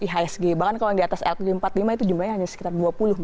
ihsg bahkan kalau yang di atas lg empat puluh lima itu jumlahnya hanya sekitar dua puluh